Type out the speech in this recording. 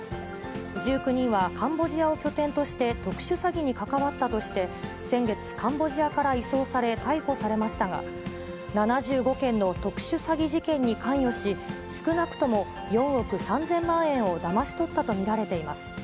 １９人はカンボジアを拠点として特殊詐欺に関わったとして、先月、カンボジアから移送され、逮捕されましたが、７５件の特殊詐欺事件に関与し、少なくとも４億３０００万円をだまし取ったと見られています。